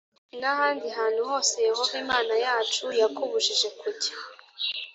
n’ahandi hantu hose yehova imana yacu yakubujije kujya